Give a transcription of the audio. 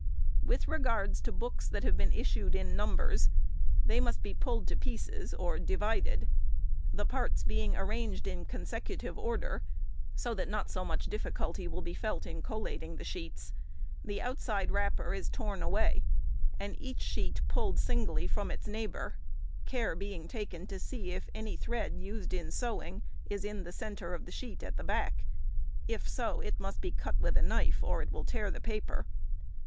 _—With regard to books that have been issued in numbers, they must be pulled to pieces or divided. The parts being arranged in consecutive order, so that not so much difficulty will be felt in collating the sheets, the outside wrapper is torn away, and each sheet pulled singly from its neighbour, care being taken to see if any thread used in sewing is in the centre of the sheet at the back; if so, it must be cut with a knife or it will tear the paper.